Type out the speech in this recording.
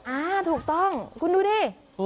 อ่าถูกต้องคุณดูดิ